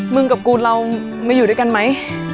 เมื่องรกูแล้วไม่อยู่ได้มั้ย